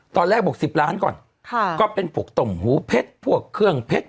ตอนแรกบอก๑๐ล้านก่อนก็เป็นพวกตมหูเพชรพวกเครื่องเพชร